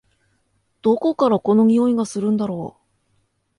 どこからこの匂いがするんだろ？